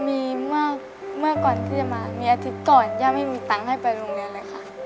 มีเมื่อก่อนที่จะมามีอาทิตย์ก่อนย่าไม่มีตังค์ให้ไปโรงเรียนเลยค่ะ